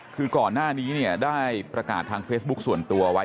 คือก่อนหน้านี้เนี่ยได้ประกาศทางเฟซบุ๊คส่วนตัวไว้